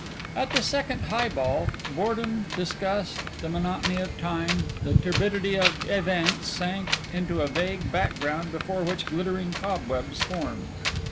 At the second highball, boredom, disgust, the monotony of time, the turbidity of events, sank into a vague background before which glittering cobwebs formed.